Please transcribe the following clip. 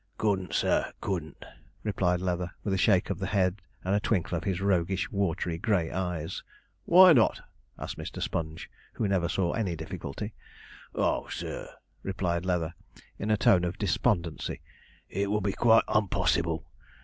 'Couldn't, sir, couldn't,' replied Leather, with a shake of the head and a twinkle of his roguish, watery grey eyes. 'Why not?' asked Mr. Sponge, who never saw any difficulty. 'Oh, sur,' replied Leather, in a tone of despondency, 'it would be quite unpossible.